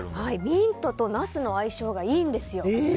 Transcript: ミントとナスの相性がいいんですよ。